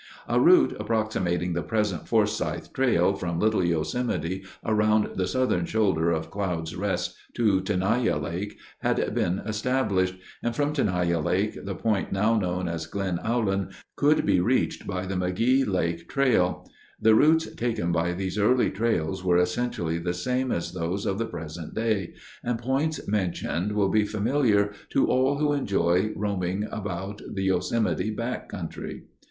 A route approximating the present Forsythe trail from Little Yosemite around the southern shoulder of Clouds Rest to Tenaya Lake had been established, and from Tenaya Lake the point now known as Glen Aulin could be reached by the McGee Lake trail. The routes taken by these early trails were essentially the same as those of the present day and points mentioned will be familiar to all who enjoy roaming about the Yosemite back country.